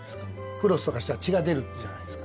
フロスとかしたら血が出るじゃないですか。